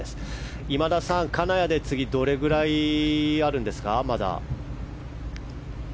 今田さん、金谷で次どれぐらいあるんですか？